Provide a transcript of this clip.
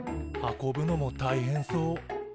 運ぶのも大変そう。